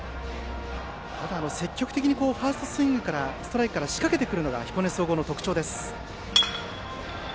積極的にファーストスイングストライクから仕掛けてくるのが彦根総合の特徴です。